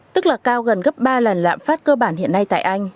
tức là cao gần gấp ba lần lạm phát cơ bản hiện nay tại anh